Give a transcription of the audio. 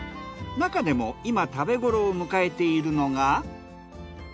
なかでも今食べ頃を迎えているのが。